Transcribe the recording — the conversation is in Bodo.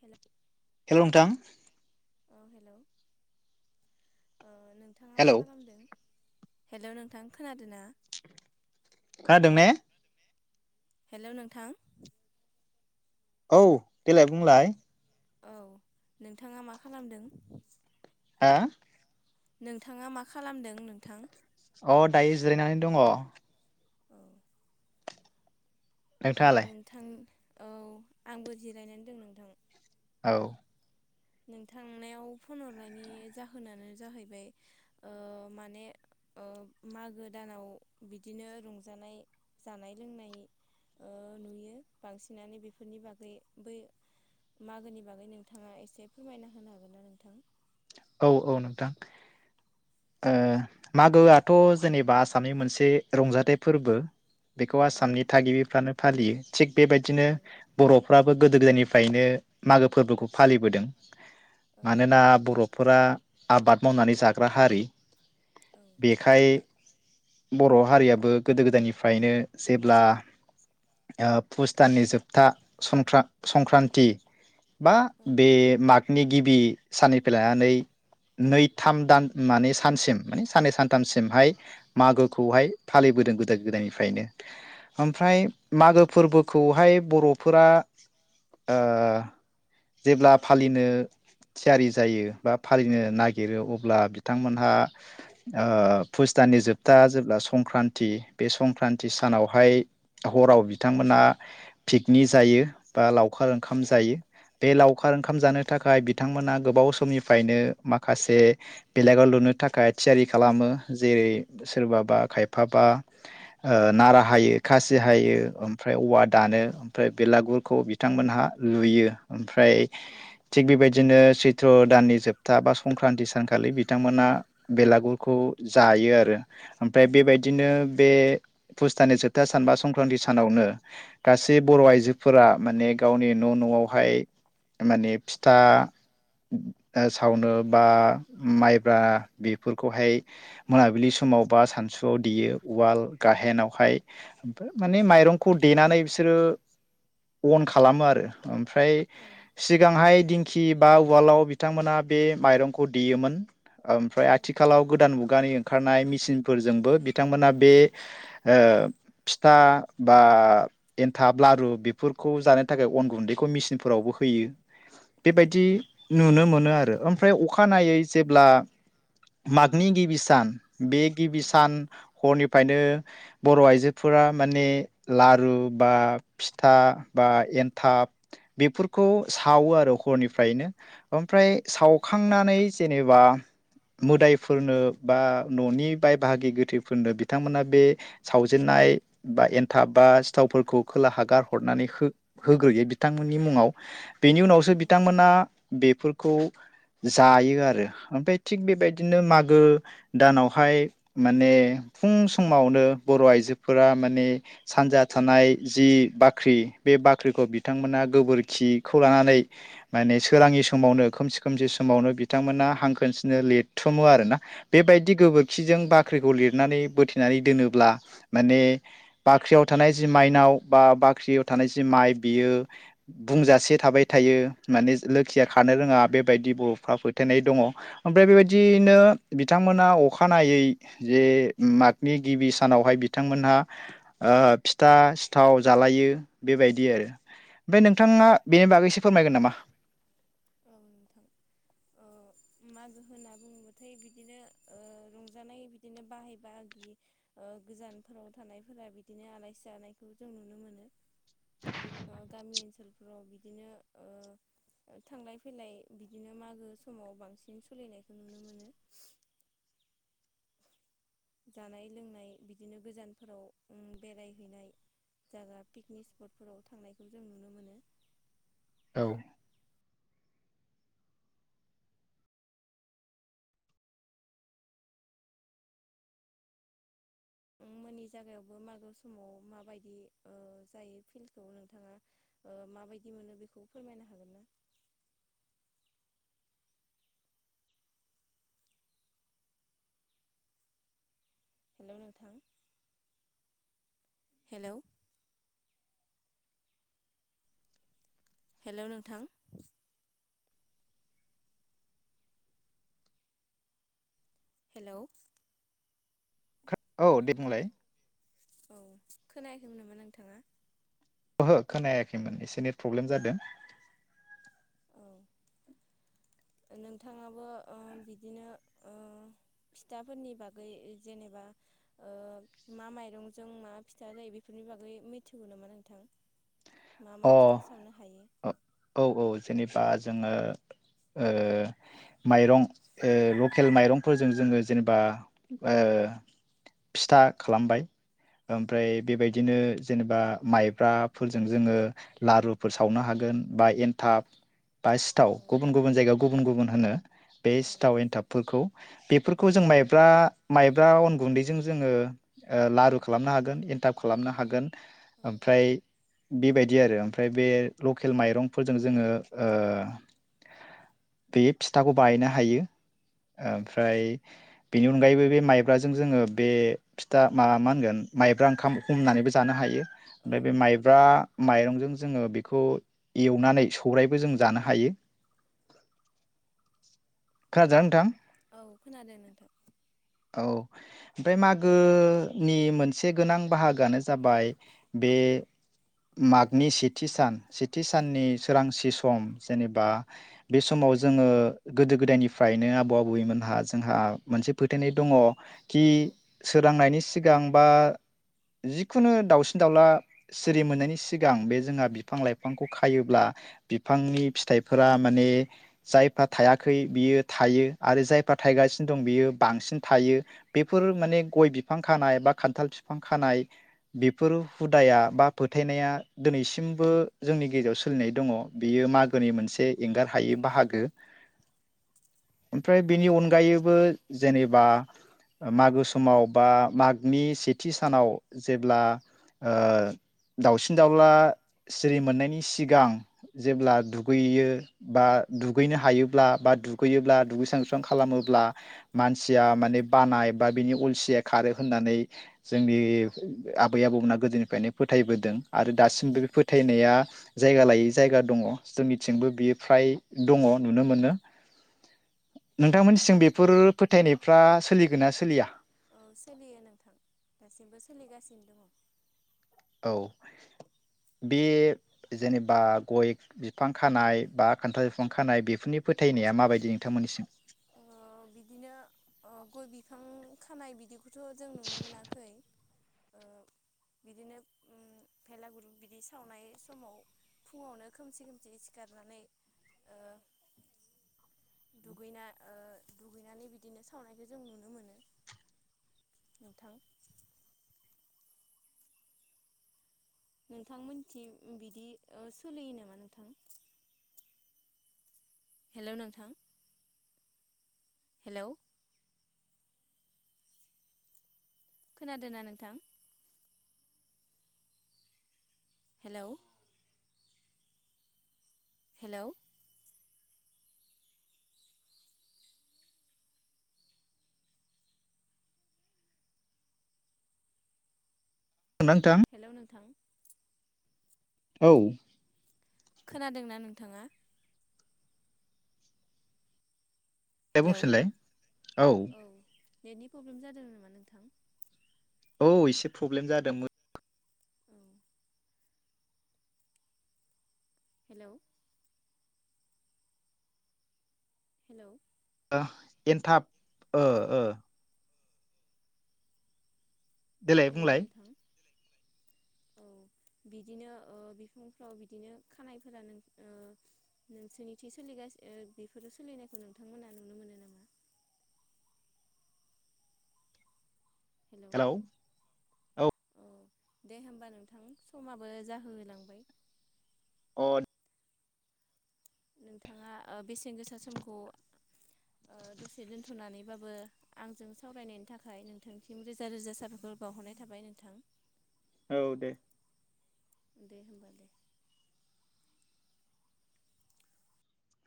हेल' हेलौ नोंथां अ हेल ओ नोंथाङा मा हेलौ खालामदों? हेलौ नोंथां खोनादों ना खोनादों ने? हेलौ नोंथां औ देलाय बुंलाय। औ नोंथाङा मा खालामदों? हा? नोंथाङा मा खालामदों नोंथां? अ दायो जिरायनानै दङ, औ औ नोंथाङालाय नोंथां औ आंबो जिरायनानै दं नोंथां औ नोंथांनेयाव फन हरनायनि जाहोनानो जाहैबाय ओ माने ओ मागो दानाव बिदिनो रंजानाय जानाय लोंनाय ओ नुयो बांसिनानो बेफोरनि बागै बै मागोनि बागै नोंथांङा एसे फोरमायना होनो हागोन ना नोंथां? औ औ नोंथां ओ मागोआथ जेनेबा आसामनि मोनसे रंजाथाइ फोरबो। बेखौ औ आसामनि थागिबिफ्रानो फालियो। थिग बेबायदिनो बर'फ्राब बो गोदो गोदायनिफ्रायनो मागो फोरबोखौ फालिबोदों। मानोना बर'फ फोरा आबाद मावनानै जाग्रा हारि बेखाय बर' हारियाबो गोदो गोदायनिफ्रायनो जेब्ला ओ पुसदाननि जोबथा संनक्रा संक्रान्ति बा बे मागनि गिबि साननै फोला नै नै थाम दान माने सानसिम माने साननै सानथामसिमहाय मागोखौहाय फालिबोदों गुदो गोदायनिफ्रायनो ओमफ्राय मागो फोरबोखौहाय बर'फोरा ओ जेब्ला फालिनो थियारि जायो बा फालिनो नागिरो अब्ला बिथांमोनहा ओ फुसताननि जोबथा जेब्ला संक्रान्ति बे संक्रान्ति सानावहाय हराव बिथांमोनहा फिकनि जायो बा लाव खार ओंखाम जायो बे लावखार ओंखाम जानो थाखाय बिथ थांमोना गोबाव समनिफ फायनो माखासे बेलागल लुनो थाखाय थियारि खालामो जेरै सोरबाबा खायफाबा ओ नारा हायो खासि हायो ओमफ्राय औवा दानो ओमफ्राय बेलागुरखौ बिथांमोनहा लुयो ओमफ्रा फ्राय थिक बेबायदिनो सैत्र दान जोबथा बा संक्रान्ति सानखालि बिथांमोना बेलागुथखौ जायो आरो ओमफ्राय बेबायदिनो बे फुसतानि जोबथा सान बा संक्रान्ति सानावनो गासै बर' आइजोफोरा माने गावनि न' न'आवहाय माने फिथा ओ सावनो बा माइब्रा बेफोरखौहाय मोनाबिलि समाव बा सानसुआव देयो उवाल गाहेनावहाय माने औ माइरंखौ देनानै बिसोरो अन खालामो आरो ओम फ्राय औ सिगांहाय दिंखि बा उवालाव बि बिथांमोना बे माइरंखौ देयोमोन ओमफ्राय औ आथिखालाव गोदान मुगानि ओंखारनाय मिसिनफोरजोंबो बिथांमोना बे ओ फिथा बा एन्थाब लारु बेफोरखौ जानो थाखाय अन गुन्दैखौ मिसिनफोरावबो होयो बेबायदि नुनो मोनो आरो ओमफ्राय अखानायै जेब्ला मागनि गिबि सान। बे गिबि सान हरनि फ्रायनो बर' आइजोफोरा माने लारु बा फिथा बा एनथाब बेफोरखौ सावो आरो हरनिफ्रायनो। ओम फ्राय सावखांनानै जेनेबा मोदायफोरनो बा न'नि बाय बाहागि गोथैफोरनो बिथांमोना बे सावजेनन्नाय बा एनथाब बा सिथावफोरखौ खोलाहा गारहरनानै होग होग्रोयो बिथांमोननि मुङाव बेनि उनावसो बिथांमोना बेफोरखौ जायो आरो ओमफ्राय थिग बेबायदिनो मागो दानावहाय माने फुं समावनो बर' आइजोफोरा माने सानजा थानाय जि बाख्रि बे बाख्रिखौ बिथांमोना गोबोरखिखौ लानानै माने सोरांनि समावनो खोमसि खोमसि समावनो बिथांमोना हांखोनसिनो लिरथुमो आरोना बेबायदि औ गोबोरखिजों बाख्रिखौ लिर नानै बोथेनानै दोनोब्ला माने बाख्रियाव थानाय जि माइनाव बा बाख्रियाव थानाय जि माइ बियो बुंजासे थाबाय थायो लोखिया औ खानो रोङा बेबायदिबो बा फोथायनाय दङ। ओमफ्राय औ बेबायदियैनो बिथांमोना अ अखानायै जे मागनि गिबि सानावहाय बिथांमोनहा ओ फिथा सिथाव जालायो बेबायदि आरो। ओमफ्राय नोंथाङा बेनि बागै सो फोरमायगोन नामा औ नोंथां ओ मागो होनना बुङोबाथाय बिदिनो ओ रंजानाय बिदिनो बाहाय बागि ओ गोजानफोराव थानायफोरा बिदिनो आलायसि जानायखौ जों नुनो मोनो ओ गामि ओनसोलफोराव बिदिनो ओ थांलाय फैलाय बिदिनो मागो समाव बांसिन सोलिनायखौ नुनो मोनो। जानाय लोंनाय बिदिनो गोजानफोराव ओम बेरायहैनाय जागा पिकनिक स्पटफोराव थांनायखौ जों नुनो मोनो। औ मोननि जागायावबो मागो समाव माबायदि ओ जायो फिल्डखौ नोंथाङा ओ माबायदि मोनो बेखौ फोरमायनो हागोन ना? हेलौ नोंथां हेलौ। हेलौ नोंथां हेलौ औ दे बुंलाय औ खोनायाखैमोन नामा नोंथांङा? ओहो खोनायाखैमोन एसे एनै प्रब्लेम जादों। [inaudible] नोंथाङाबो ओ बिदिनो ओ फिथाफोरनि बागै जेनेबा ओ मा माइरंजों मा फिथा जायो बेफोरनि बागै मिथिगौ नामा नोंथां मा मा अ फिथा सावनो हायो औ औ जेनेबा जो जोङो ओ माइरं ओ लकेल माइरंफोरजों जोङो जेनेबा ओ फिथा खालामबाय ओमफ्राय बेबायदिनो जेनेबा माइब्राफोरजों जोङो लारुफोर सावनो हागोन बा एनथाब, बा सिथाव औ गुबुन गुबुन जायगायाव गुब गुबुन गुबुन होनो। बे औ सिथाव एन्टाबफोरखौ बेफोरखौ जों मब्रा माइब्रा अन गुन्दैजों जोंङो लारु खालामनो हागोन एन्थाब खालामनो हागोन औ ओमफ्राय बेबायद बिदि आरो ओमफ्राय बे लकेल माइरंफोरजों जोंङो ओ बे फिथाखौ बायनो हायो औ ओमफ्राय बेनि अनगायैबो बे माइब्राजों जोङो बे फिथा मा मा होनगोन माइब्रा ओंखाम हमनानैबो जानो हायो। औ ओमफ्राय बे औ माइब्रा थोंजों जोंङो बेखौ एउनानै सौरायबो जों जानो हायो खोनादोंना नोंथां? औ खोनादों नोंथां औ ओमफ्राय मागोनि मोनसे गोनां बाहागोआानो जाबाय बे मागनि सेथि सान सेथि साननि सोरांसि सम जेनेबा बे समाव जोंङो गोदो गोदायनिफ्रायनो आबौ आबौैमोनहा जोंहा मोनसे फो थाइनाय दङ कि औ सोरांनायनि सि सिगां बा जिखुनु दाउसिन दाउला सिरि मोननायनि सिगां बे जोंहा बिफां लाइफांखौ खायोब्ला बिफांनि फिथाइफोरा माने जायफ्रा थायाखै बियो थायो आरो जायफ्रा थायगासिनो दं बियो बांसिन थायो औ बेफोर माने गय बिफां खानाय बा खान्थाल बिफां खानाय बेफोर हुदाया बा फोथायनाया दिनैसिमबो जोंनि गेजेराव सोलिनाय दङ। बियो मागोनि मोनसे एंगार हायै बाहागो ओमफ्राय बेनि अनगायैबो जेनेबा मागो समाव बा मागनि सेथि सानाव जेब्ला ओ दाउसिन दाउला सिरि मोननायनि सिगां जेब्ला दुगैयो बा दुगैनो हायोब्ला बा दुगैयोब्ला दुगैस्रां लोबस्रां खालामोब्ला मानसिया माने बानाय बा बिनि अलसिया खारो होननानै जोंनि आबै आबौमोनना गोदोनिफ्रायनो फोथायबोदों। आरो औ दासिमब्रो नंगौ फोथायनाया जायगा लायै जायगा दङ। औ जोंनिथिंबो बियो फ्राय दङं नुनो मोनो। नोंथांमोनसिं बेफोरो अ सोलियो नोंथां दासिमबो सोलिगासिनो दङ। औ बे जेनेबा गय बिफां खानाय बा खान्थाल बिफां खानाय बेफोरनि फोथायनाया माबायदि नोंथांमोननिसिम। अ बिदिनो अ गय बिफां- खानाय बिदिखुद। थ' जों नुनो मोनाखै ओ बिदिनो उम भेलागुरु बिदि सावनाय समाव फुङावनो खोमसि खोमसि सिखारनानै ओ दुगैना ओ दुगैनानै बिदिनो सावनायखौ जों नुनो मोनो नोंथां। नोंथां मिथि बिदि ओ सोलियो नामा नोंथां? हेल' नोंथां। हेलौ खोनादोंना नोंथां। हेलौ। हेलोव नोंथां हेलौ नोंथां औ। खोनादोंना नोंथाङा। दे हेलौ बुंफिनलाय औ। नेटनि प्रब्लेम जादों नामा नोंथां। औ एसे प्रब्लेम जादों मो औ हेलोव हेलौ। एनथाब ओ ओ। देलाय हेलौ बुंलाय नोंथां औ बिदिनो ओ बिफांफ्राव बिदिनो खानायफोरानो ओ नोंसोरनि थि ओ सोलिगानो ओ बेफोरो सोलिनायखौ नोंथांमोना नुनो मोनो नामा? हेलौ औ दे होमबा नोंथां समाबो जाहोलांबाय अ। नोंथाङा ओ बेसेन गोसा समखौ ओ दसे दोनथ'नानैबाबो आंजों सावरायनायनि थाखाय नोंथांसिम रोजा रोजा साबायखर बावहरनाय थाबाय नोंथां औ दे। दे होमबा दे